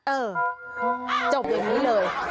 เออจบอย่างนี้เลย